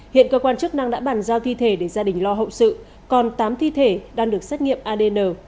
hiện cơ quan chức năng đã bàn giao thi thể để gia đình lo hậu sự còn tám thi thể đang được xét nghiệm adn